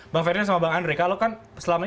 bang ferdinand sama bang andre kalau kan selama ini